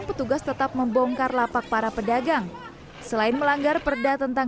dan petugas tetap membongkar lapak para pedagang selain melanggar perda tentang